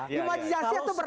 imajinasi itu beranda anda ya